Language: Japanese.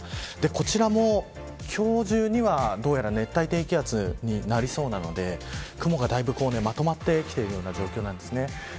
こちらも今日中にはどうやら熱帯低気圧になりそうなので雲がだいぶまとまってきている状況です。